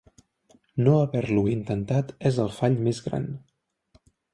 No haver-lo intentat és el fall més gran.